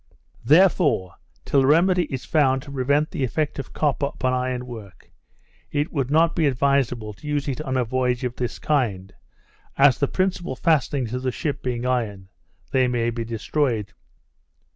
Therefore, till a remedy is found to prevent the effect of copper upon iron work, it would not be advisable to use it on a voyage of this kind, as, the principal fastenings of the ship being iron, they may be destroyed.